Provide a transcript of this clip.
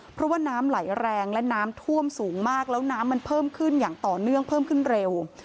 เพราะว่าน้ำไหลแรงและน้ำท่วมสูงมากแล้วน้ำมันเพิ่มขึ้นอย่างต่อเนื่องเพิ่มขึ้นเร็ว